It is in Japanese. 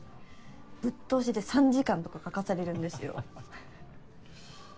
ぶっ通しで３時間とか描かされるんですよ。